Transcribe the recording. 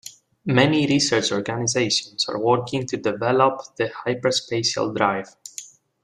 Many research organizations are working to develop the hyperspatial drive.